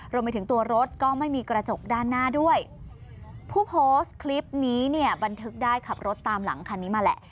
รวมไปถึงตัวรถก็ไม่มีกระจกด้านหน้าด้วยผู้โพสต์คลิปนี้เนี่ยบันทึกได้ขับรถตามหลังคันนี้มาแหละ